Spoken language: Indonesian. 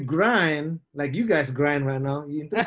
kalau kamu menyerang seperti kalian menyerang sekarang